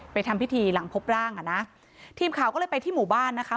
ทำพิธีหลังพบร่างอ่ะนะทีมข่าวก็เลยไปที่หมู่บ้านนะคะ